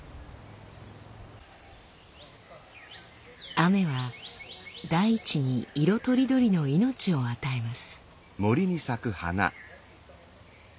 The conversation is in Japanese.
雨は大地に色とりどりの命を与えます。